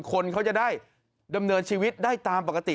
คนเขาจะได้ดำเนินชีวิตได้ตามปกติ